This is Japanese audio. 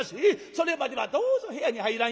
それまではどうぞ部屋に入らんように」。